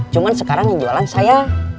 cuma sekarang yang jualan saya